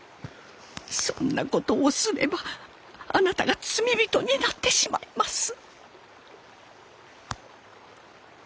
そんなことをすればあなたが罪人になってしまいます。